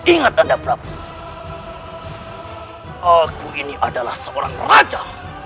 ingat anda prabu aku ini adalah seorang raja